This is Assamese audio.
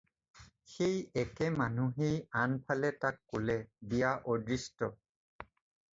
সেই একে মানুহেই আন ফালে তাক ক'লে- "বিয়া অদৃষ্ট।"